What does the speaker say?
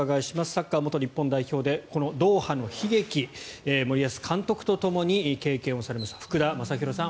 サッカー元日本代表でドーハの悲劇を森保監督とともに経験されました福田正博さん